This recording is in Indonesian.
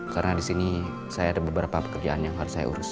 karena disini saya ada beberapa pekerjaan yang harus saya urus